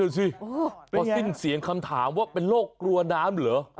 สิพอสิ้นเสียงคำถามว่าเป็นโรคกลัวน้ำเหรอ